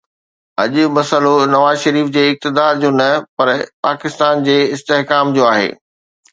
اڄ مسئلو نواز شريف جي اقتدار جو نه پر پاڪستان جي استحڪام جو آهي.